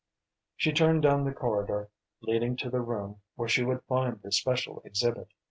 She turned down the corridor leading to the room where she would find the special exhibit.